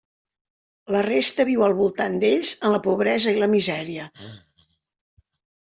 La resta viu al voltant d'ells en la pobresa i la misèria.